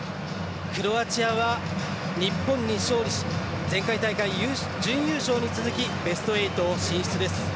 クロアチアは、日本に勝利し前回大会準優勝に続きベスト８進出です。